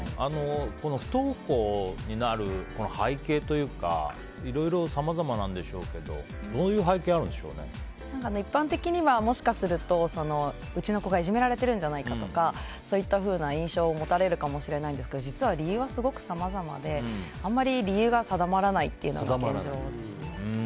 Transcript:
不登校になる背景というかいろいろさまざまなんでしょうけど一般的にはもしかするとうちの子がいじめられてるんじゃないかとか、そういった印象を持たれるかもしれないんですが実は理由は、すごくさまざまであんまり理由が定まらないっていうのが現状ですね。